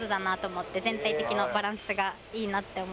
全体的なバランスがいいなって思いました。